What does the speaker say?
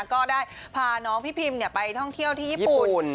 ก็ได้พาน้องพี่พิมไปท่องเที่ยวที่ญี่ปุ่น